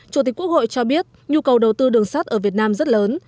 chủ tịch quốc hội cho biết nhu cầu đầu tư đường sắt ở việt nam rất lớn